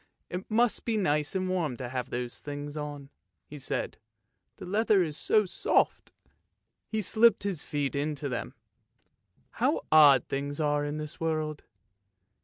" It must be nice and warm to have those things on," he said, " the leather is so soft! " He slipped his feet into them. " How odd things are in this world!